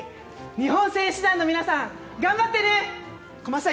日本選手団の皆さん頑張ってね。